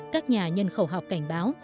các nhà nhân khẩu học cảnh báo